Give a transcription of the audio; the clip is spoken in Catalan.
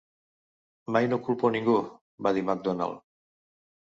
"Mai no culpo a ningú", va dir Macdonald.